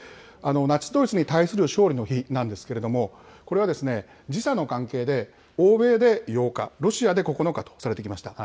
ナチス・ドイツに対する勝利の日なんですけれども、これは時差の関係で、欧米で８日、ロシアで９日とされてきました。